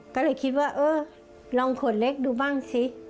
ก็เลยคิดว่าเออลองขวดเล็กดูบ้างสิ